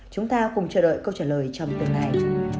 chúng ta cùng chờ đợi câu trả lời trong tương lai